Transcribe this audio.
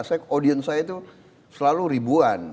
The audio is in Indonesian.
saya audience saya itu selalu ribuan